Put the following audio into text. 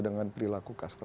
dengan perilaku custom